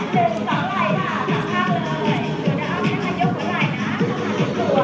เดี๋ยวเราวางอัพของไหล่นะค่ะ